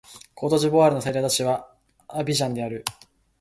コートジボワールの最大都市はアビジャンである